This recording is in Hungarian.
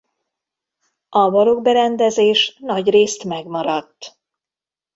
A barokk berendezés nagyrészt megmaradt.